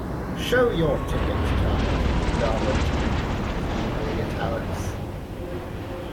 ‘Show your ticket, child!’ the Guard went on, looking angrily at Alice.